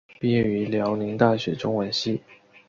毕业于辽宁大学中文系。